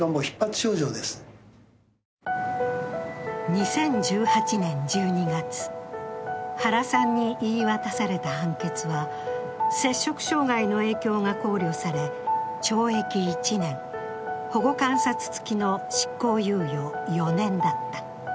２０１８年１２月、原さんに言い渡された判決は摂食障害の影響が考慮され、懲役１年、保護観察付きの執行猶予４年だった。